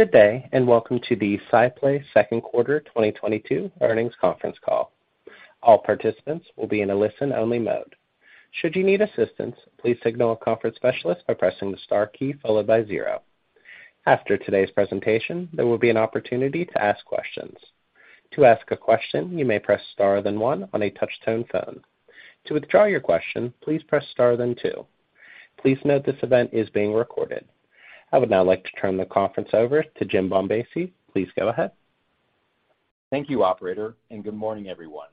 Good day, and welcome to the SciPlay second quarter 2022 earnings conference call. All participants will be in a listen only mode. Should you need assistance, please signal a conference specialist by pressing the star key followed by zero. After today's presentation, there will be an opportunity to ask questions. To ask a question, you may press star then one on a touch-tone phone. To withdraw your question, please press star then two. Please note this event is being recorded. I would now like to turn the conference over to James Bombassei. Please go ahead. Thank you, operator, and good morning, everyone.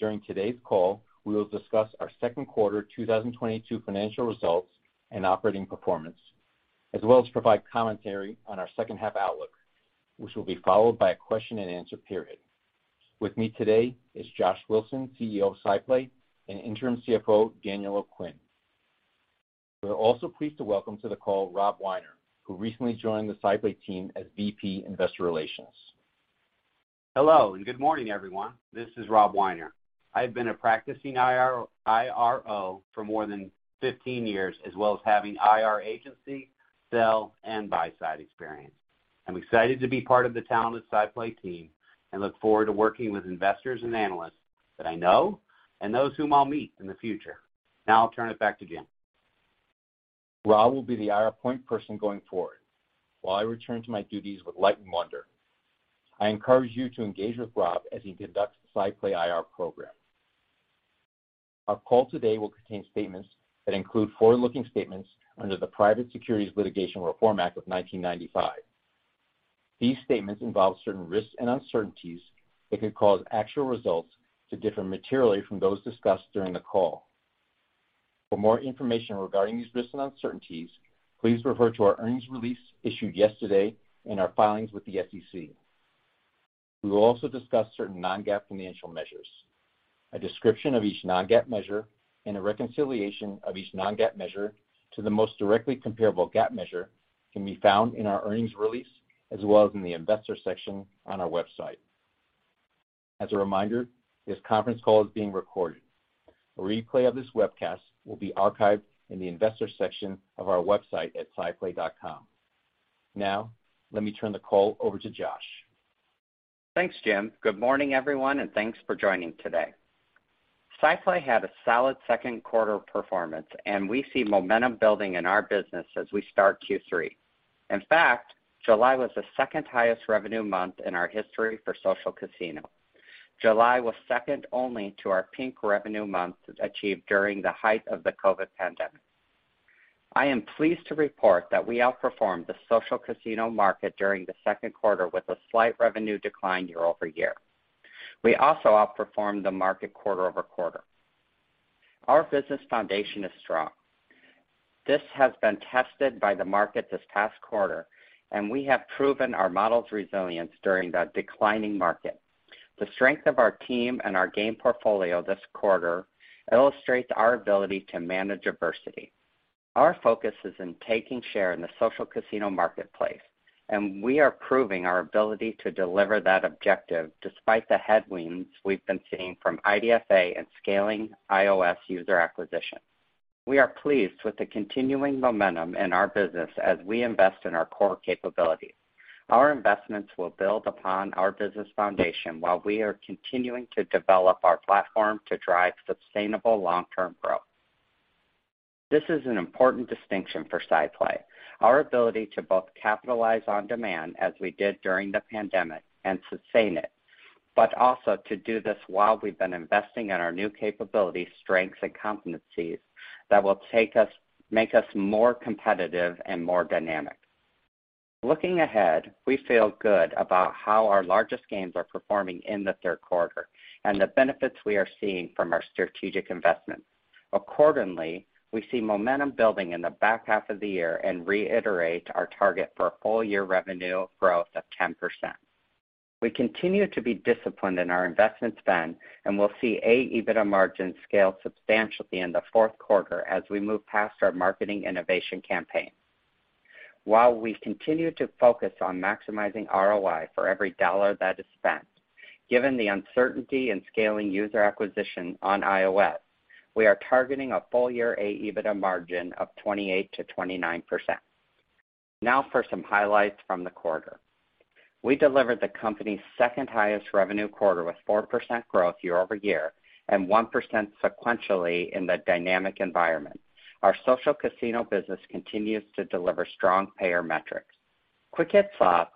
During today's call, we will discuss our second quarter 2022 financial results and operating performance, as well as provide commentary on our second half outlook, which will be followed by a question and answer period. With me today is Josh Wilson, CEO of SciPlay, and Interim CFO, Daniel O'Quinn. We're also pleased to welcome to the call Robert Weiner, who recently joined the SciPlay team as VP Investor Relations. Hello, and good morning, everyone. This is Robert Weiner. I've been a practicing IR-IRO for more than 15 years, as well as having IR agency, sell-side, and buy-side experience. I'm excited to be part of the talented SciPlay team and look forward to working with investors and analysts that I know and those whom I'll meet in the future. Now I'll turn it back to Jim. Rob will be the IR point person going forward while I return to my duties with Light & Wonder. I encourage you to engage with Rob as he conducts the SciPlay IR program. Our call today will contain statements that include forward-looking statements under the Private Securities Litigation Reform Act of 1995. These statements involve certain risks and uncertainties that could cause actual results to differ materially from those discussed during the call. For more information regarding these risks and uncertainties, please refer to our earnings release issued yesterday and our filings with the SEC. We will also discuss certain non-GAAP financial measures. A description of each non-GAAP measure and a reconciliation of each non-GAAP measure to the most directly comparable GAAP measure can be found in our earnings release as well as in the investor section on our website. As a reminder, this conference call is being recorded. A replay of this webcast will be archived in the investor section of our website at sciplay.com. Now, let me turn the call over to Josh. Thanks, Jim. Good morning, everyone, and thanks for joining today. SciPlay had a solid second quarter performance, and we see momentum building in our business as we start Q3. In fact, July was the second highest revenue month in our history for social casino. July was second only to our peak revenue month achieved during the height of the COVID pandemic. I am pleased to report that we outperformed the social casino market during the second quarter with a slight revenue decline year-over-year. We also outperformed the market quarter-over-quarter. Our business foundation is strong. This has been tested by the market this past quarter, and we have proven our model's resilience during the declining market. The strength of our team and our game portfolio this quarter illustrates our ability to manage adversity. Our focus is in taking share in the social casino marketplace, and we are proving our ability to deliver that objective despite the headwinds we've been seeing from IDFA and scaling iOS user acquisition. We are pleased with the continuing momentum in our business as we invest in our core capabilities. Our investments will build upon our business foundation while we are continuing to develop our platform to drive sustainable long-term growth. This is an important distinction for SciPlay. Our ability to both capitalize on demand as we did during the pandemic and sustain it, but also to do this while we've been investing in our new capabilities, strengths, and competencies that will make us more competitive and more dynamic. Looking ahead, we feel good about how our largest games are performing in the third quarter and the benefits we are seeing from our strategic investments. Accordingly, we see momentum building in the back half of the year and reiterate our target for full year revenue growth of 10%. We continue to be disciplined in our investment spend, and we'll see Adjusted EBITDA margins scale substantially in the fourth quarter as we move past our marketing innovation campaign. While we continue to focus on maximizing ROI for every dollar that is spent, given the uncertainty in scaling user acquisition on iOS, we are targeting a full year EBITDA margin of 28%-29%. Now for some highlights from the quarter. We delivered the company's second highest revenue quarter with 4% growth year-over-year and 1% sequentially in the dynamic environment. Our social casino business continues to deliver strong payer metrics. Quick Hit Slots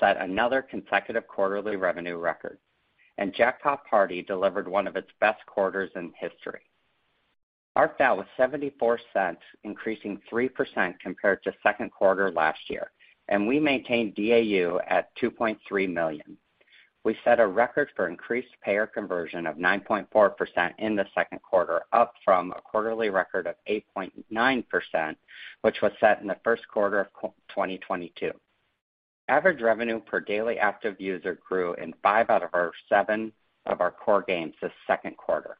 set another consecutive quarterly revenue record, and Jackpot Party delivered one of its best quarters in history. ARPDAU was $0.74, increasing 3% compared to second quarter last year, and we maintained DAU at 2.3 million. We set a record for increased payer conversion of 9.4% in the second quarter, up from a quarterly record of 8.9%, which was set in the first quarter of Q1 2022. Average revenue per daily active user grew in five out of our seven core games this second quarter.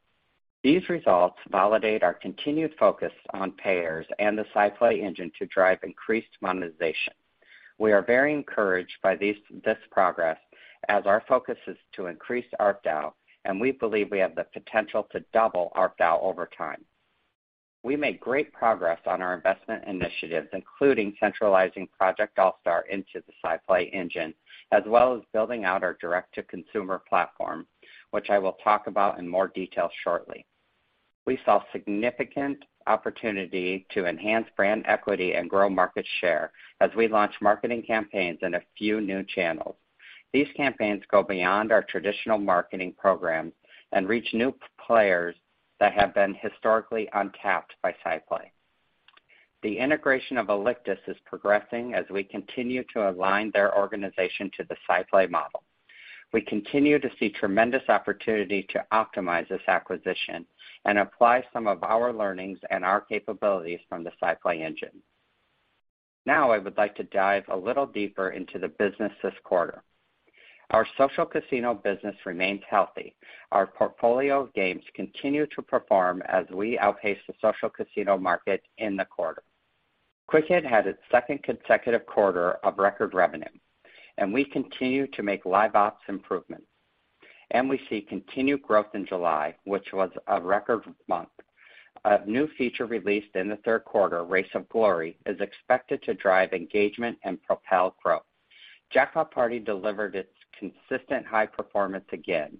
These results validate our continued focus on payers and the SciPlay Engine to drive increased monetization. We are very encouraged by this progress as our focus is to increase ARPDAU, and we believe we have the potential to double ARPDAU over time. We made great progress on our investment initiatives, including centralizing Project All-Star into the SciPlay Engine, as well as building out our direct-to-consumer platform, which I will talk about in more detail shortly. We saw significant opportunity to enhance brand equity and grow market share as we launched marketing campaigns in a few new channels. These campaigns go beyond our traditional marketing program and reach new players that have been historically untapped by SciPlay. The integration of Alictus is progressing as we continue to align their organization to the SciPlay model. We continue to see tremendous opportunity to optimize this acquisition and apply some of our learnings and our capabilities from the SciPlay Engine. Now, I would like to dive a little deeper into the business this quarter. Our social casino business remains healthy. Our portfolio of games continue to perform as we outpace the social casino market in the quarter. Quick Hit had its second consecutive quarter of record revenue, and we continue to make live ops improvements, and we see continued growth in July, which was a record month. A new feature released in the third quarter, Race of Glory, is expected to drive engagement and propel growth. Jackpot Party delivered its consistent high performance again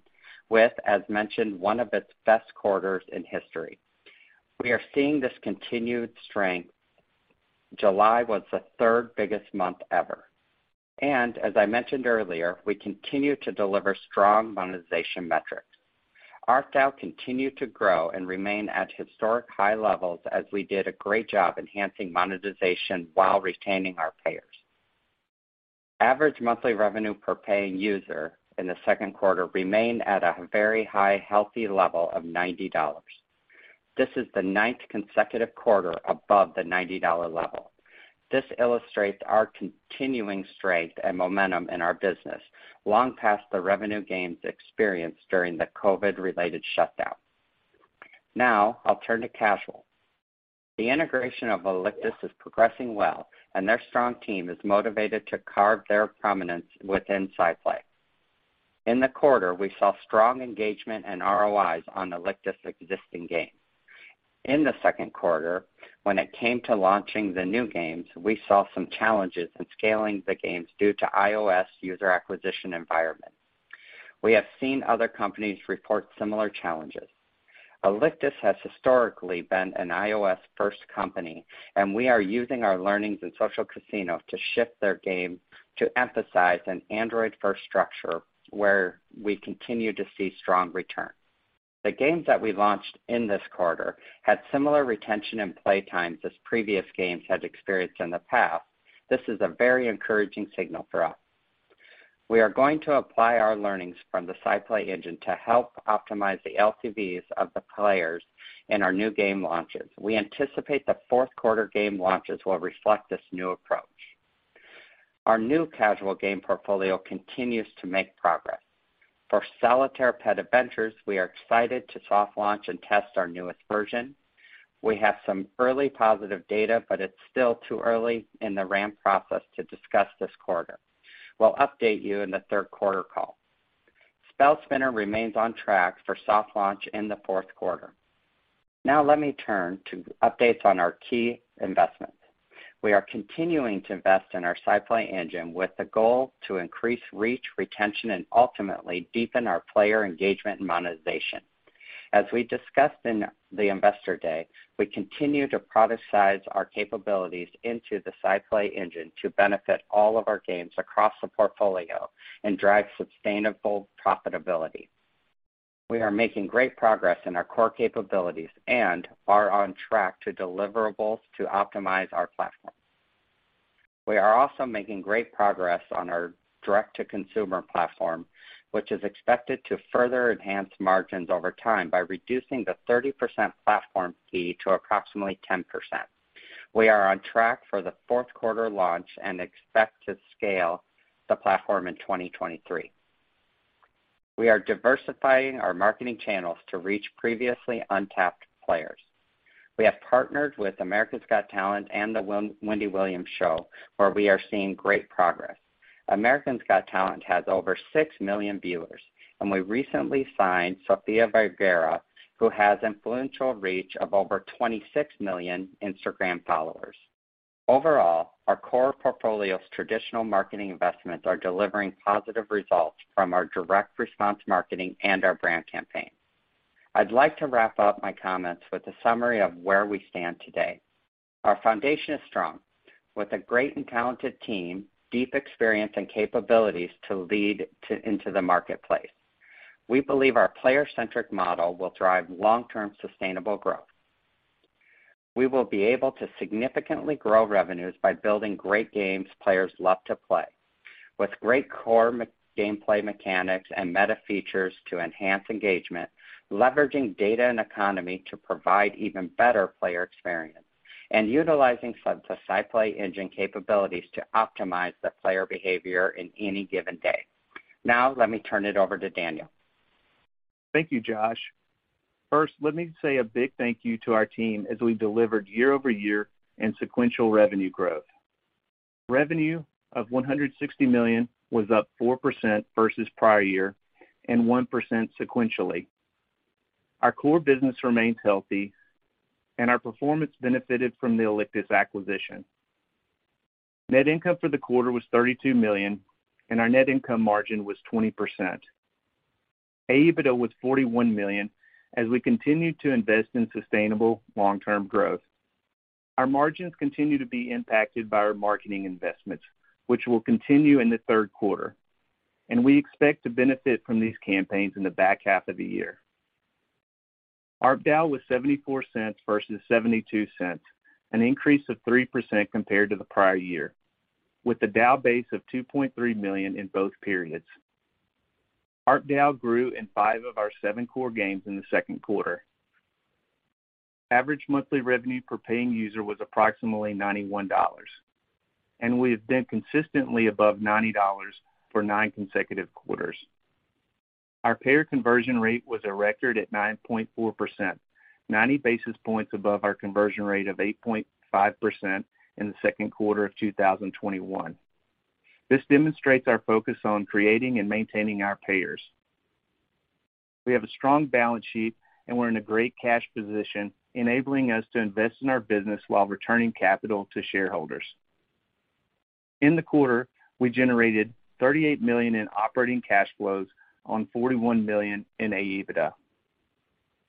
with, as mentioned, one of its best quarters in history. We are seeing this continued strength. July was the third-biggest month ever. As I mentioned earlier, we continue to deliver strong monetization metrics. ARPDAU continued to grow and remain at historic high levels as we did a great job enhancing monetization while retaining our payers. Average monthly revenue per paying user in the second quarter remained at a very high, healthy level of $90. This is the ninth consecutive quarter above the $90 level. This illustrates our continuing strength and momentum in our business, long past the revenue gains experienced during the COVID-related shutdown. Now, I'll turn to casual. The integration of Alictus is progressing well, and their strong team is motivated to carve their prominence within SciPlay. In the quarter, we saw strong engagement and ROIs on Alictus' existing games. In the second quarter, when it came to launching the new games, we saw some challenges in scaling the games due to iOS user acquisition environment. We have seen other companies report similar challenges. Alictus has historically been an iOS-first company, and we are using our learnings in social casino to shift their game to emphasize an Android-first structure where we continue to see strong returns. The games that we launched in this quarter had similar retention and play times as previous games had experienced in the past. This is a very encouraging signal for us. We are going to apply our learnings from the SciPlay Engine to help optimize the LTVs of the players in our new game launches. We anticipate the fourth quarter game launches will reflect this new approach. Our new casual game portfolio continues to make progress. For Solitaire Pets Adventure, we are excited to soft launch and test our newest version. We have some early positive data, but it's still too early in the ramp process to discuss this quarter. We'll update you in the third quarter call. Spell Spinner remains on track for soft launch in the fourth quarter. Now let me turn to updates on our key investments. We are continuing to invest in our SciPlay Engine with the goal to increase reach, retention, and ultimately deepen our player engagement and monetization. As we discussed in the Investor Day, we continue to productize our capabilities into the SciPlay Engine to benefit all of our games across the portfolio and drive sustainable profitability. We are making great progress in our core capabilities and are on track for deliverables to optimize our platform. We are also making great progress on our direct-to-consumer platform, which is expected to further enhance margins over time by reducing the 30% platform fee to approximately 10%. We are on track for the fourth quarter launch and expect to scale the platform in 2023. We are diversifying our marketing channels to reach previously untapped players. We have partnered with America's Got Talent and The Wendy Williams Show, where we are seeing great progress. America's Got Talent has over six million viewers, and we recently signed Sofía Vergara, who has influential reach of over 26 million Instagram followers. Overall, our core portfolio's traditional marketing investments are delivering positive results from our direct response marketing and our brand campaign. I'd like to wrap up my comments with a summary of where we stand today. Our foundation is strong, with a great and talented team, deep experience, and capabilities to lead into the marketplace. We believe our player-centric model will drive long-term sustainable growth. We will be able to significantly grow revenues by building great games players love to play with great core gameplay mechanics and meta features to enhance engagement, leveraging data and economy to provide even better player experience, and utilizing SciPlay Engine capabilities to optimize the player behavior in any given day. Now let me turn it over to Daniel. Thank you, Josh. First, let me say a big thank you to our team as we delivered year-over-year and sequential revenue growth. Revenue of $160 million was up 4% versus prior year and 1% sequentially. Our core business remains healthy and our performance benefited from the Alictus acquisition. Net income for the quarter was $32 million, and our net income margin was 20%. Adjusted EBITDA was $41 million as we continued to invest in sustainable long-term growth. Our margins continue to be impacted by our marketing investments, which will continue in the third quarter, and we expect to benefit from these campaigns in the back half of the year. ARPDAU was $0.74 versus $0.72, an increase of 3% compared to the prior year with the DAU base of 2.3 million in both periods. ARPDAU grew in five of our seven core games in the second quarter. Average monthly revenue per paying user was approximately $91, and we have been consistently above $90 for nine consecutive quarters. Our payer conversion rate was a record at 9.4%, 90 basis points above our conversion rate of 8.5% in the second quarter of 2021. This demonstrates our focus on creating and maintaining our payers. We have a strong balance sheet and we're in a great cash position, enabling us to invest in our business while returning capital to shareholders. In the quarter, we generated $38 million in operating cash flows on $41 million in Adjusted EBITDA.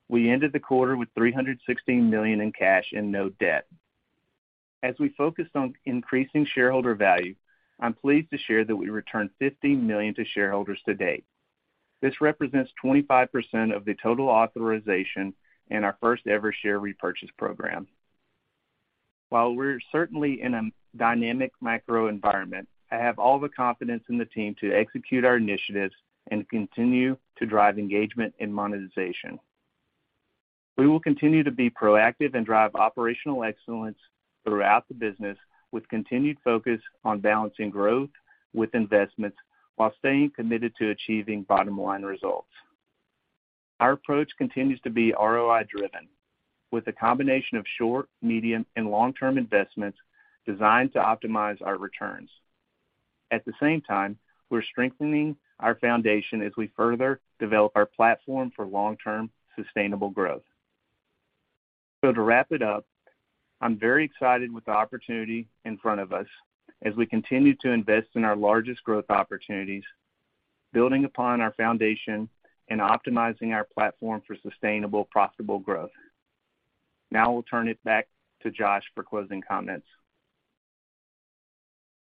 We ended the quarter with $316 million in cash and no debt. As we focus on increasing shareholder value, I'm pleased to share that we returned $50 million to shareholders to date. This represents 25% of the total authorization in our first-ever share repurchase program. While we're certainly in a dynamic macro environment, I have all the confidence in the team to execute our initiatives and continue to drive engagement and monetization. We will continue to be proactive and drive operational excellence throughout the business with continued focus on balancing growth with investments while staying committed to achieving bottom-line results. Our approach continues to be ROI driven with a combination of short, medium, and long-term investments designed to optimize our returns. At the same time, we're strengthening our foundation as we further develop our platform for long-term sustainable growth. To wrap it up, I'm very excited with the opportunity in front of us as we continue to invest in our largest growth opportunities, building upon our foundation, and optimizing our platform for sustainable, profitable growth. Now I'll turn it back to Josh for closing comments.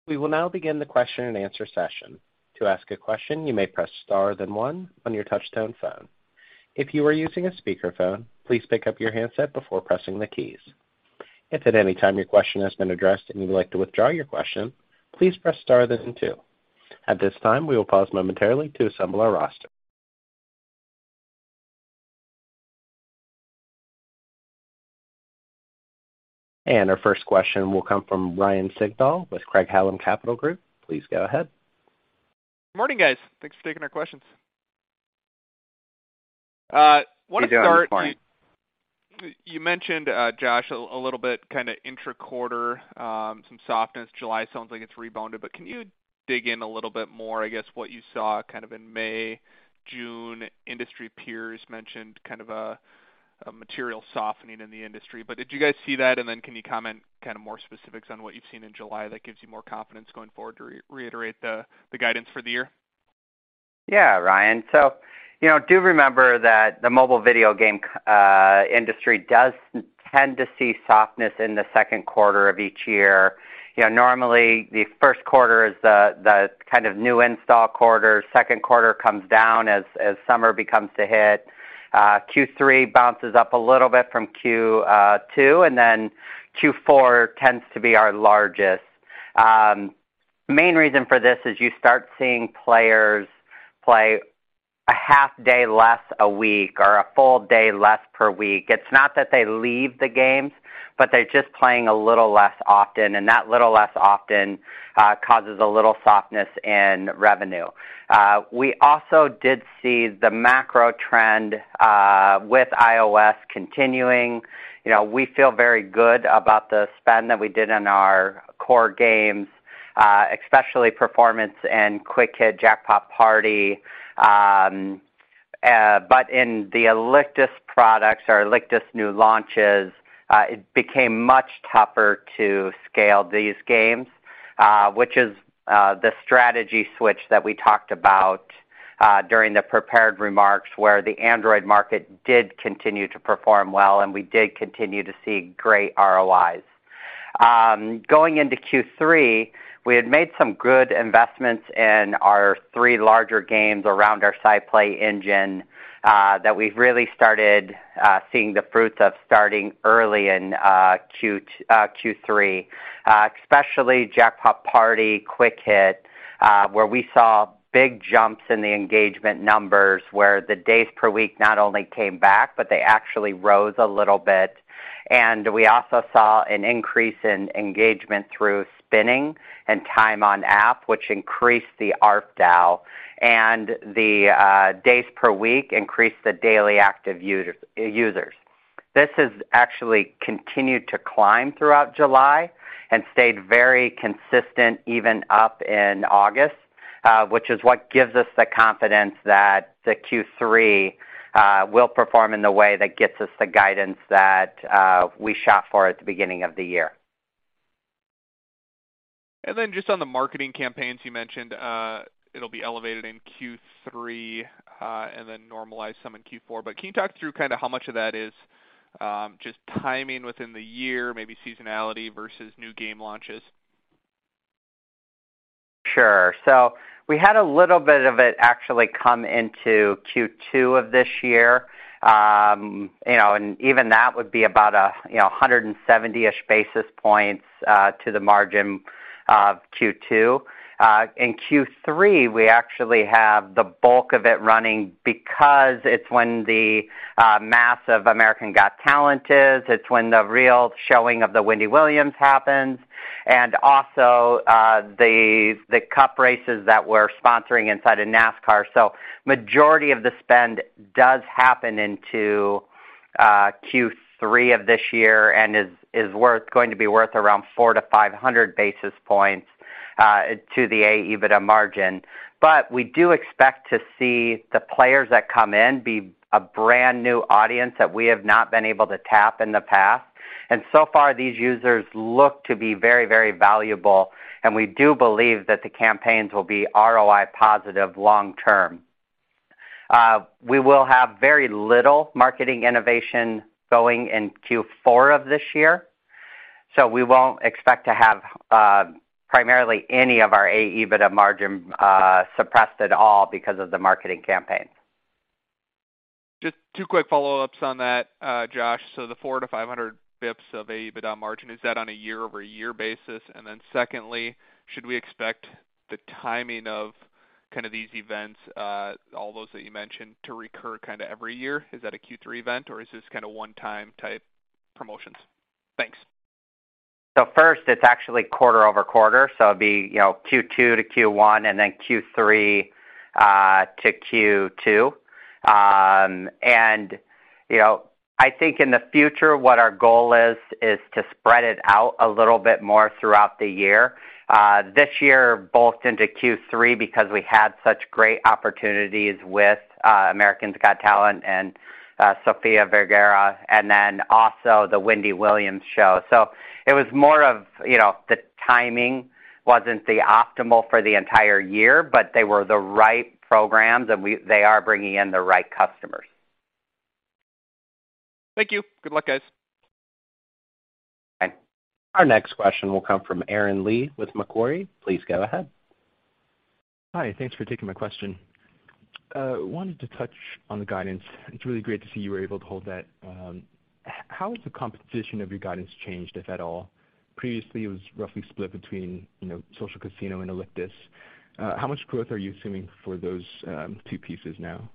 We will now begin the question and answer session. To ask a question, you may press Star then one on your touchtone phone. If you are using a speakerphone, please pick up your handset before pressing the keys. If at any time your question has been addressed and you would like to withdraw your question, please press Star then two. At this time, we will pause momentarily to assemble our roster. Our first question will come from Ryan Sigdahl with Craig-Hallum Capital Group. Please go ahead. Morning, guys. Thanks for taking our questions. Want to start. Good morning. You mentioned, Josh, a little bit kinda intra-quarter some softness. July sounds like it's rebounded, but can you dig in a little bit more, I guess what you saw kind of in May, June. Industry peers mentioned kind of a material softening in the industry. But did you guys see that? Can you comment kind of more specifics on what you've seen in July that gives you more confidence going forward to reiterate the guidance for the year? Yeah, Ryan. So you know, do remember that the mobile video game industry does tend to see softness in the second quarter of each year. You know, normally the first quarter is the kind of new install quarter. Second quarter comes down as summer becomes the heat. Q3 bounces up a little bit from Q2, and then Q4 tends to be our largest. Main reason for this is you start seeing players play a half day less a week or a full day less per week. It's not that they leave the games, but they're just playing a little less often, and that little less often causes a little softness in revenue. We also did see the macro trend with iOS continuing. You know, we feel very good about the spend that we did in our core games, especially Performance and Quick Hit Jackpot Party. But in the Alictus products or Alictus new launches, it became much tougher to scale these games, which is the strategy switch that we talked about during the prepared remarks, where the Android market did continue to perform well and we did continue to see great ROIs. Going into Q3, we had made some good investments in our three larger games around our SciPlay engine, that we've really started seeing the fruits of starting early in Q3, especially Jackpot Party, Quick Hit, where we saw big jumps in the engagement numbers, where the days per week not only came back, but they actually rose a little bit. And we also saw an increase in engagement through spinning and time on app, which increased the ARPDAU and the days per week increased the daily active users. This has actually continued to climb throughout July and stayed very consistent even up in August, which is what gives us the confidence that the Q3 will perform in the way that gets us the guidance that we shot for at the beginning of the year. Just on the marketing campaigns, you mentioned, it'll be elevated in Q3 and then normalize some in Q4. Can you talk through kinda how much of that is just timing within the year, maybe seasonality versus new game launches? Sure. So we had a little bit of it actually come into Q2 of this year. You know, and even that would be about 170-ish basis points to the margin of Q2. In Q3, we actually have the bulk of it running because it's when the season of America's Got Talent is, it's when the real showing of The Wendy Williams Show happens, and also the cup races that we're sponsoring inside of NASCAR. So majority of the spend does happen into Q3 of this year and is worth around 400-500 basis points to the Adjusted EBITDA margin. We do expect to see the players that come in be a brand-new audience that we have not been able to tap in the past. So far, these users look to be very, very valuable, and we do believe that the campaigns will be ROI positive long term. We will have very little marketing innovation going in Q4 of this year, so we won't expect to have any of our Adjusted EBITDA margin suppressed at all because of the marketing campaign. Just two quick follow-ups on that, Josh. The 400-500 BPS of Adjusted EBITDA margin, is that on a year-over-year basis? Secondly, should we expect the timing of kind of these events, all those that you mentioned, to recur kinda every year? Is that a Q3 event, or is this kinda one-time type promotions? Thanks. So first, it's actually quarter-over-quarter, so it'd be, you know, Q2 to Q1, and then Q3 to Q2. And you know, I think in the future, what our goal is to spread it out a little bit more throughout the year. This year, both into Q3 because we had such great opportunities with America's Got Talent and Sofía Vergara, and then also The Wendy Williams Show. So it was more of, you know, the timing wasn't the optimal for the entire year, but they were the right programs, and they are bringing in the right customers. Thank you. Good luck, guys. Okay. Our next question will come from Aaron Lee with Macquarie. Please go ahead. Hi, thanks for taking my question. Wanted to touch on the guidance. It's really great to see you were able to hold that. How has the composition of your guidance changed, if at all? Previously, it was roughly split between, you know, social casino and Alictus. How much growth are you assuming for those two pieces now?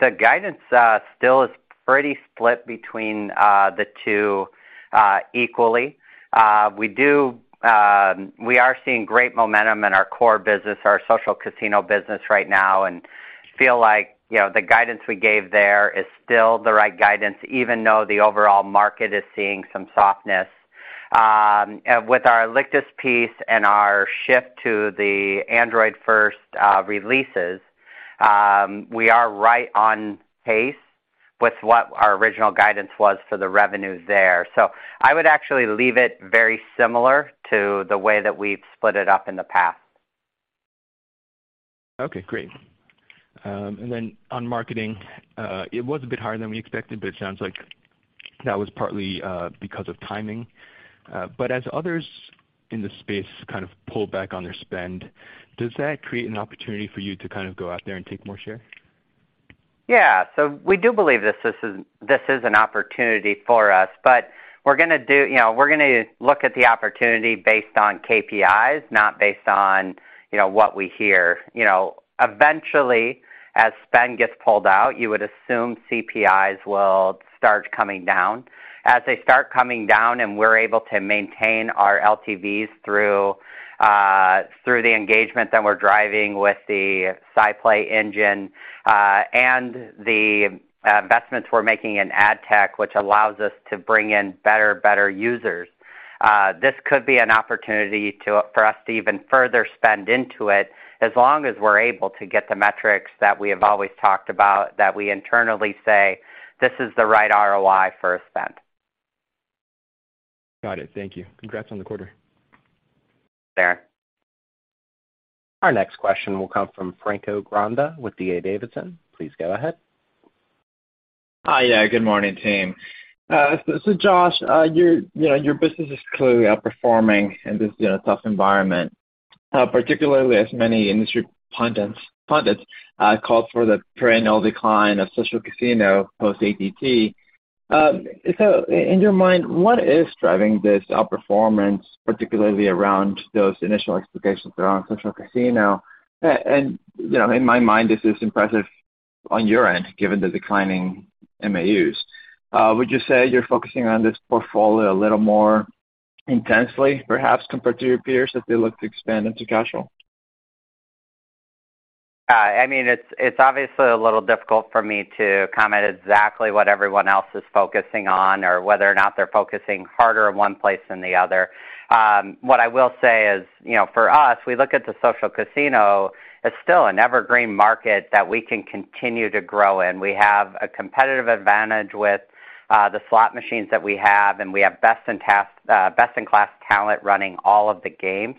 The guidance still is pretty split between the two equally. We are seeing great momentum in our core business, our social casino business right now, and feel like, you know, the guidance we gave there is still the right guidance, even though the overall market is seeing some softness. With our Alictus piece and our shift to the Android first releases, we are right on pace with what our original guidance was for the revenues there. So I would actually leave it very similar to the way that we've split it up in the past. Okay, great. On marketing, it was a bit higher than we expected, but it sounds like that was partly because of timing. But as others in this space kind of pull back on their spend, does that create an opportunity for you to kind of go out there and take more share? Yeah. So we do believe this is an opportunity for us, but we're gonna look at the opportunity based on KPIs, not based on, you know, what we hear. You know, eventually, as spend gets pulled out, you would assume CPIs will start coming down. As they start coming down and we're able to maintain our LTVs through the engagement that we're driving with the SciPlay Engine and the investments we're making in ad tech, which allows us to bring in better users, this could be an opportunity for us to even further spend into it as long as we're able to get the metrics that we have always talked about, that we internally say, "This is the right ROI for a spend." Got it. Thank you. Congrats on the quarter. Sure. Our next question will come from Franco Granda with D.A. Davidson. Please go ahead. Hi. Yeah, good morning, team. Josh, you know, your business is clearly outperforming in this, you know, tough environment, particularly as many industry pundits called for the perennial decline of social casino post-IDFA. In your mind, what is driving this outperformance, particularly around those initial expectations around social casino? And you know, in my mind, this is impressive on your end, given the declining MAUs. Would you say you're focusing on this portfolio a little more intensely, perhaps compared to your peers as they look to expand into casual? I mean, it's obviously a little difficult for me to comment exactly what everyone else is focusing on or whether or not they're focusing harder in one place than the other. What I will say is, you know, for us, we look at the social casino as still an evergreen market that we can continue to grow in. We have a competitive advantage with the slot machines that we have, and we have best-in-class talent running all of the games.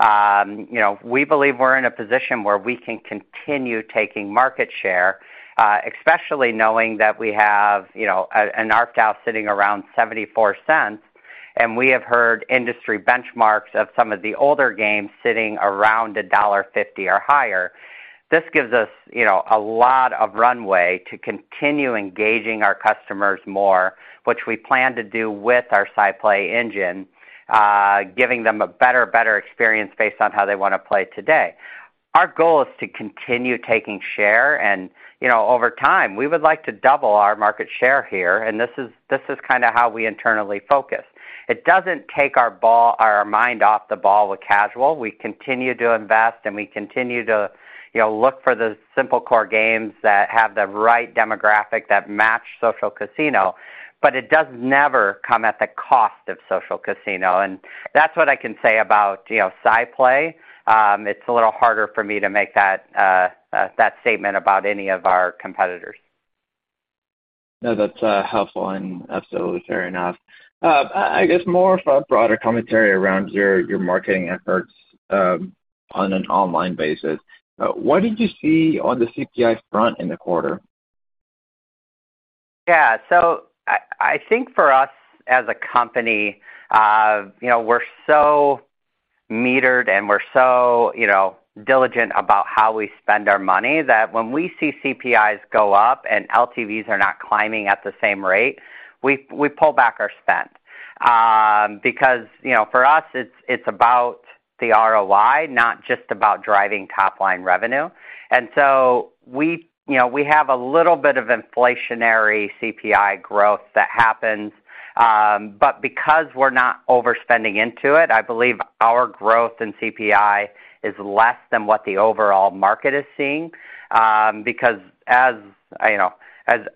You know, we believe we're in a position where we can continue taking market share, especially knowing that we have, you know, an ARPDAU sitting around $0.74, and we have heard industry benchmarks of some of the older games sitting around $1.50 or higher. This gives us, you know, a lot of runway to continue engaging our customers more, which we plan to do with our SciPlay Engine, giving them a better experience based on how they wanna play today. Our goal is to continue taking share and, you know, over time, we would like to double our market share here, and this is kinda how we internally focus. It doesn't take our mind off the ball with casual. We continue to invest, and we continue to, you know, look for the simple core games that have the right demographic that match social casino, but it does never come at the cost of social casino. That's what I can say about, you know, SciPlay. It's a little harder for me to make that statement about any of our competitors. No, that's helpful and absolutely fair enough. I guess more of a broader commentary around your marketing efforts on an online basis. What did you see on the CPI front in the quarter? Yeah. I think for us as a company, you know, we're so metered and we're so, you know, diligent about how we spend our money that when we see CPIs go up and LTVs are not climbing at the same rate, we pull back our spend. Because, you know, for us, it's about the ROI, not just about driving top-line revenue. We, you know, we have a little bit of inflationary CPI growth that happens, but because we're not overspending into it, I believe our growth in CPI is less than what the overall market is seeing. Because as you know,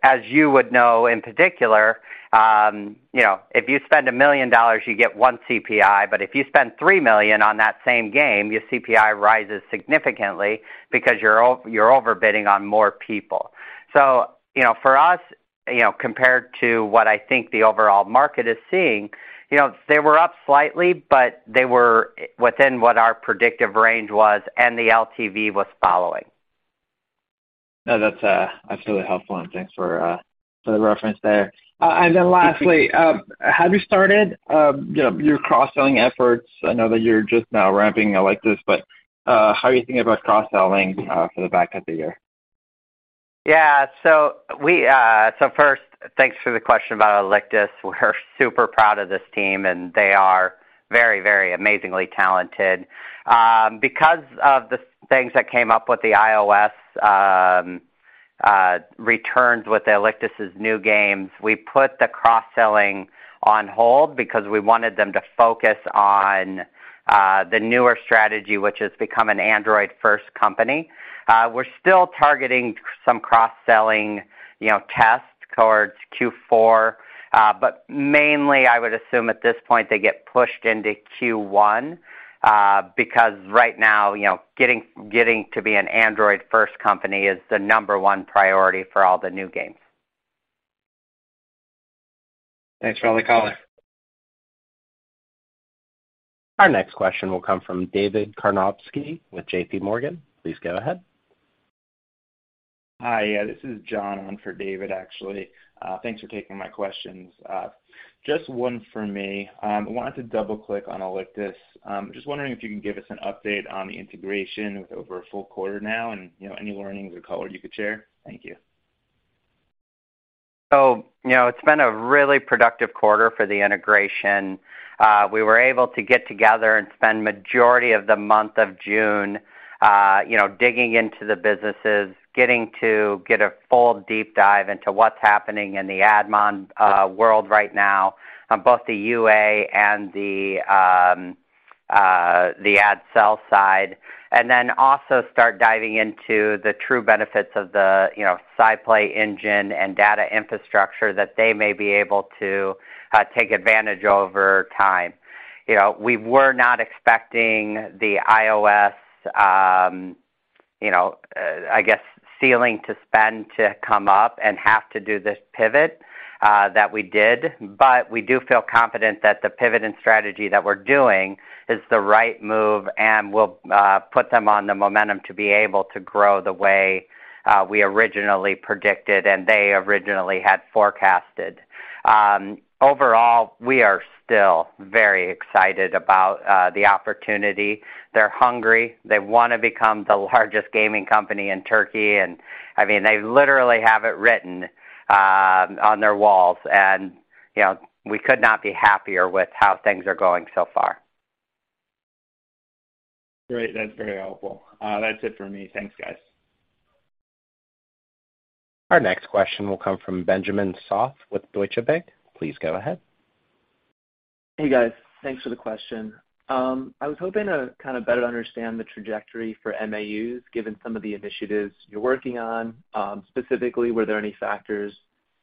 as you would know in particular, you know, if you spend $1 million, you get one CPI, but if you spend $3 million on that same game, your CPI rises significantly because you're overbidding on more people. So you know, for us, you know, compared to what I think the overall market is seeing, you know, they were up slightly, but they were within what our predictive range was, and the LTV was following. No, that's really helpful, and thanks for the reference there. And then lastly, have you started, you know, your cross-selling efforts? I know that you're just now ramping Alictus, but how are you thinking about cross-selling for the back half of the year? Yeah so, first, thanks for the question about Alictus. We're super proud of this team, and they are very, very amazingly talented. Because of the things that came up with the iOS returns with Alictus' new games, we put the cross-selling on hold because we wanted them to focus on the newer strategy, which has become an Android-first company. We're still targeting some cross-selling, you know, tests towards Q4, but mainly I would assume at this point they get pushed into Q1, because right now, you know, getting to be an Android-first company is the number one priority for all the new games. Thanks for all the color. Our next question will come from David Karnovsky with JPMorgan. Please go ahead. Hi, this is John on for David Karnovsky, actually. Thanks for taking my questions. Just one for me. Wanted to double-click on Alictus. Just wondering if you can give us an update on the integration with over a full quarter now and, you know, any learnings or color you could share. Thank you. So you know, it's been a really productive quarter for the integration. We were able to get together and spend majority of the month of June, you know, digging into the businesses, getting a full deep dive into what's happening in the admon world right now on both the UA and the ad sell side. Then also start diving into the true benefits of the you know SciPlay Engine and data infrastructure that they may be able to take advantage over time. You know, we were not expecting the iOS, you know, I guess, ceiling to spend to come up and have to do this pivot that we did. We do feel confident that the pivot and strategy that we're doing is the right move and will put them on the momentum to be able to grow the way we originally predicted and they originally had forecasted. Overall, we are still very excited about the opportunity. They're hungry. They wanna become the largest gaming company in Turkey. I mean, they literally have it written on their walls. You know, we could not be happier with how things are going so far. Great. That's very helpful. That's it for me. Thanks, guys. Our next question will come from Benjamin Soff with Deutsche Bank. Please go ahead. Hey, guys. Thanks for the question. I was hoping to kind of better understand the trajectory for MAUs, given some of the initiatives you're working on, specifically, were there any factors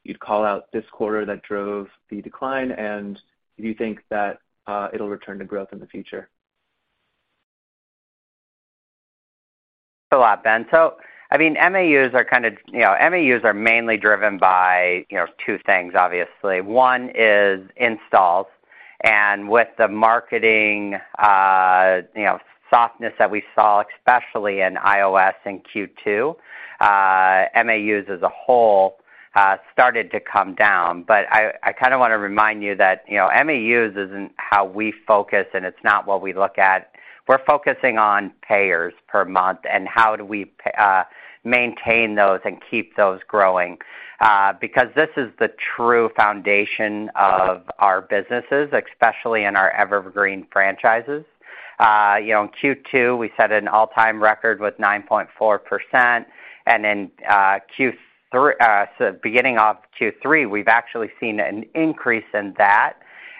you'd call out this quarter that drove the decline? Do you think that, it'll return to growth in the future? Thanks a lot, Ben. I mean, MAUs are kind of, you know, MAUs are mainly driven by, you know, two things, obviously. One is installs, and with the marketing, you know, softness that we saw, especially in iOS in Q2, MAUs as a whole started to come down. I kind of want to remind you that, you know, MAUs isn't how we focus, and it's not what we look at. We're focusing on payers per month and how we maintain those and keep those growing, because this is the true foundation of our businesses, especially in our evergreen franchises. You know, in Q2, we set an all-time record with 9.4%, and beginning of Q3, we've actually seen an increase in that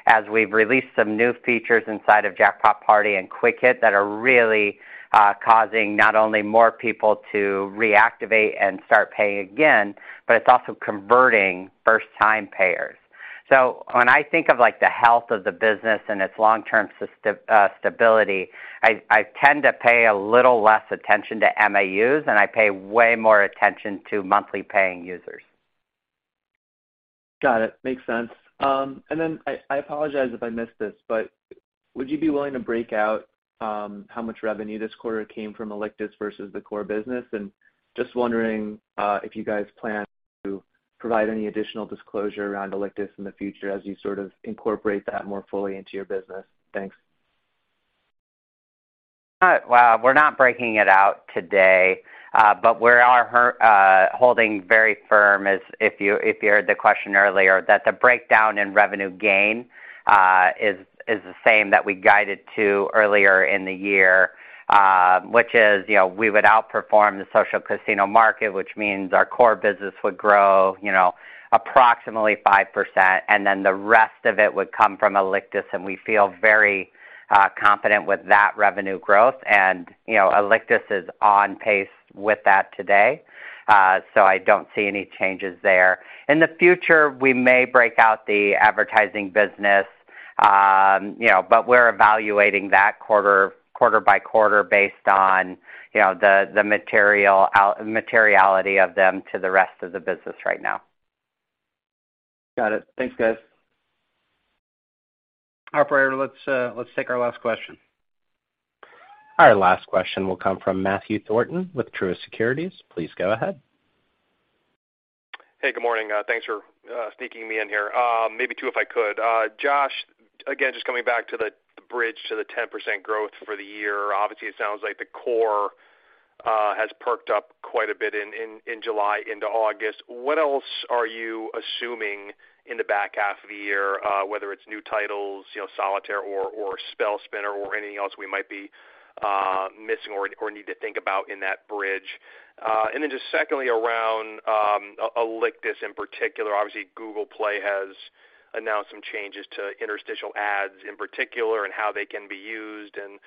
as we've released some new features inside of Jackpot Party and Quick Hit that are really causing not only more people to reactivate and start paying again, but it's also converting first-time payers. So when I think of like the health of the business and its long-term stability, I tend to pay a little less attention to MAUs, and I pay way more attention to monthly paying users. Got it. Makes sense. And then, I apologize if I missed this, but would you be willing to break out how much revenue this quarter came from Alictus versus the core business? Just wondering if you guys plan to provide any additional disclosure around Alictus in the future as you sort of incorporate that more fully into your business. Thanks. Well, we're not breaking it out today, but we are holding very firm as if you heard the question earlier, that the breakdown in revenue gain is the same that we guided to earlier in the year, which is, you know, we would outperform the social casino market, which means our core business would grow, you know, approximately 5%, and then the rest of it would come from Alictus, and we feel very confident with that revenue growth. And you know, Alictus is on pace with that today, so I don't see any changes there. In the future, we may break out the advertising business, you know, but we're evaluating that quarter by quarter based on, you know, the materiality of them to the rest of the business right now. Got it. Thanks, guys. Operator, let's take our last question. Our last question will come from Matthew Thornton with Truist Securities. Please go ahead. Hey, good morning. Thanks for sneaking me in here. Maybe two, if I could. Josh, again, just coming back to the bridge to the 10% growth for the year. Obviously, it sounds like the core has perked up quite a bit in July into August. What else are you assuming in the back half of the year, whether it's new titles, you know, Solitaire or Spell Spinner or anything else we might be missing or need to think about in that bridge? And then just secondly, around Alictus in particular. Obviously, Google Play has announced some changes to interstitial ads in particular and how they can be used and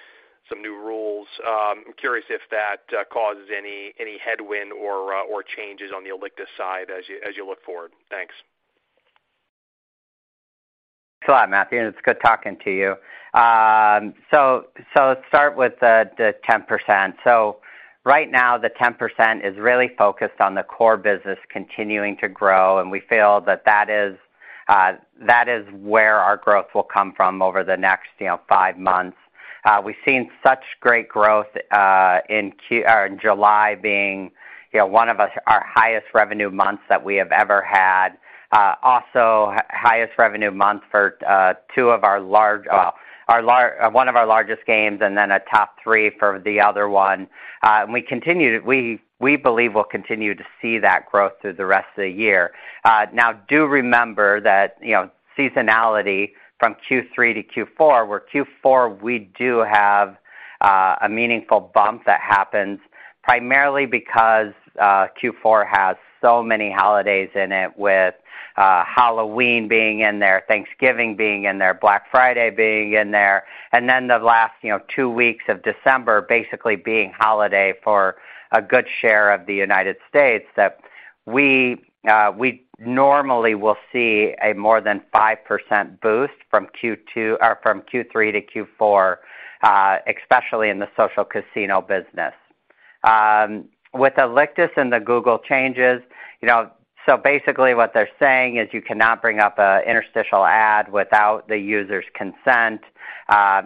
some new rules. I'm curious if that causes any headwind or changes on the Alictus side as you look forward. Thanks. Thanks a lot, Matthew, and it's good talking to you. Let's start with the 10%. Right now, the 10% is really focused on the core business continuing to grow, and we feel that is where our growth will come from over the next, you know, five months. We've seen such great growth in July being, you know, one of our highest revenue months that we have ever had. Also highest revenue month for two of our largest games and then a top three for the other one. We believe we'll continue to see that growth through the rest of the year. Now do remember that, you know, seasonality from Q3 to Q4, where Q4 we do have a meaningful bump that happens primarily because Q4 has so many holidays in it with Halloween being in there, Thanksgiving being in there, Black Friday being in there, and then the last, you know, two weeks of December basically being holiday for a good share of the United States that we normally will see a more than 5% boost from Q3 to Q4, especially in the social casino business. With iOS and the Google changes, you know, so basically what they're saying is you cannot bring up an interstitial ad without the user's consent.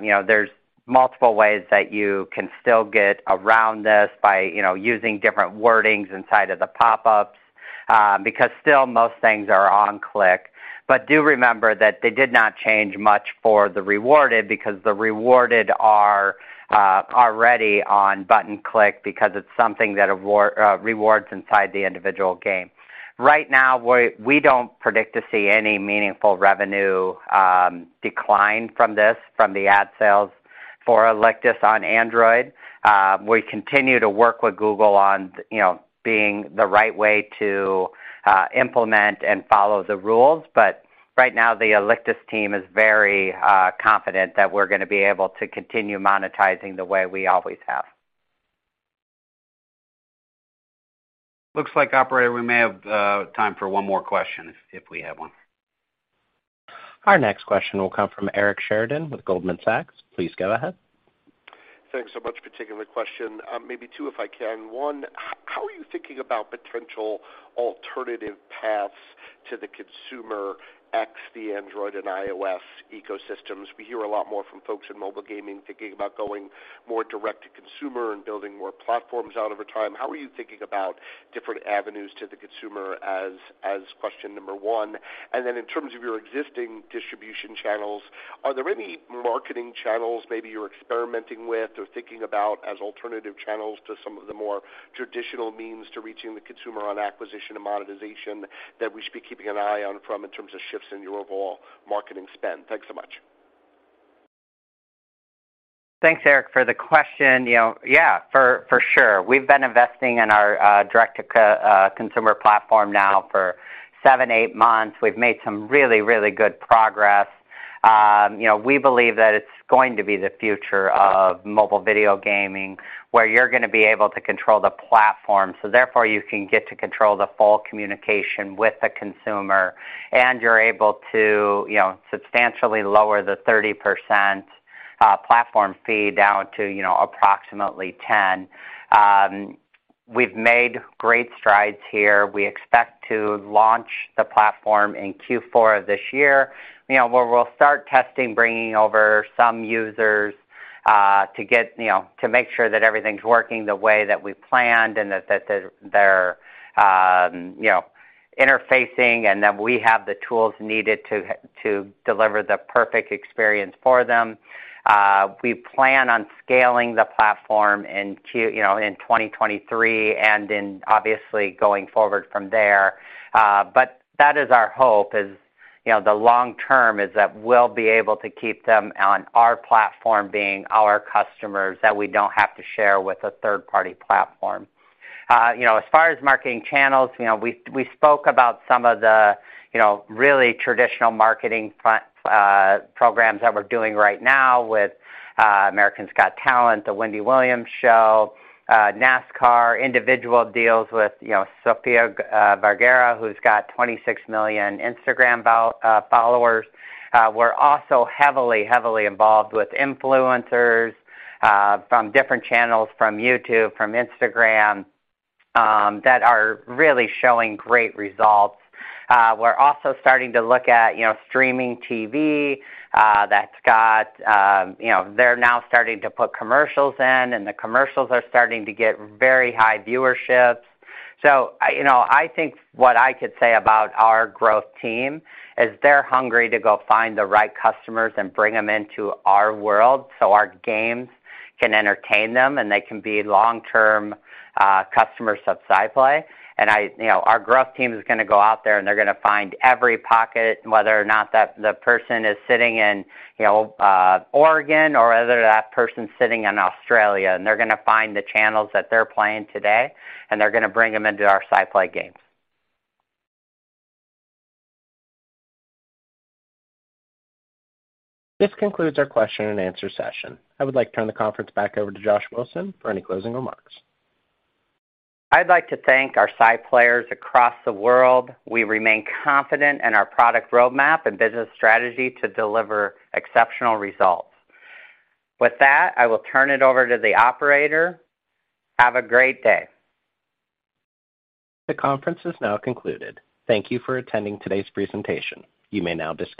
You know, there's multiple ways that you can still get around this by, you know, using different wordings inside of the pop-ups, because still most things are on click. But do remember that they did not change much for the rewarded because the rewarded are already on button click because it's something that rewards inside the individual game. Right now, we don't predict to see any meaningful revenue decline from this, from the ad sales. For Alictus on Android, we continue to work with Google on, you know, being the right way to implement and follow the rules. But right now, the Alictus team is very confident that we're gonna be able to continue monetizing the way we always have. Looks like, operator, we may have time for one more question if we have one. Our next question will come from Eric Sheridan with Goldman Sachs. Please go ahead. Thanks so much for taking the question. Maybe two, if I can. One, how are you thinking about potential alternative paths to the consumer outside the Android and iOS ecosystems? We hear a lot more from folks in mobile gaming thinking about going more direct to consumer and building more platforms out over time. How are you thinking about different avenues to the consumer as question number one? And then in terms of your existing distribution channels, are there any marketing channels maybe you're experimenting with or thinking about as alternative channels to some of the more traditional means to reaching the consumer on acquisition and monetization that we should be keeping an eye on in terms of shifts in your overall marketing spend? Thanks so much. Thanks, Eric, for the question. You know yeah, for sure. We've been investing in our direct-to-consumer platform now for seven to eight months. We've made some really good progress. You know, we believe that it's going to be the future of mobile video gaming, where you're gonna be able to control the platform, so therefore you can get to control the full communication with the consumer, and you're able to substantially lower the 30% platform fee down to approximately 10%. We've made great strides here. We expect to launch the platform in Q4 of this year, you know, where we'll start testing bringing over some users to get, you know, to make sure that everything's working the way that we planned and that they're interfacing and that we have the tools needed to deliver the perfect experience for them. We plan on scaling the platform in Q, you know, in 2023 and obviously going forward from there. That is our hope, you know, the long term is that we'll be able to keep them on our platform being our customers that we don't have to share with a third-party platform. You know, as far as marketing channels, you know, we spoke about some of the, you know, really traditional marketing programs that we're doing right now with America's Got Talent, The Wendy Williams Show, NASCAR, individual deals with, you know, Sofía Vergara, who's got 26 million Instagram followers. We're also heavily involved with influencers from different channels, from YouTube, from Instagram, that are really showing great results. We're also starting to look at, you know, streaming TV, that's got, you know, they're now starting to put commercials in, and the commercials are starting to get very high viewership. I, you know, I think what I could say about our growth team is they're hungry to go find the right customers and bring them into our world so our games can entertain them and they can be long-term customers of SciPlay. And I, you know, our growth team is gonna go out there and they're gonna find every pocket, whether or not the person is sitting in, you know, Oregon or whether that person's sitting in Australia, and they're gonna bring them into our SciPlay games. This concludes our question and answer session. I would like to turn the conference back over to Josh Wilson for any closing remarks. I'd like to thank our SciPlayers across the world. We remain confident in our product roadmap and business strategy to deliver exceptional results. With that, I will turn it over to the operator. Have a great day. The conference is now concluded. Thank you for attending today's presentation. You may now disconnect.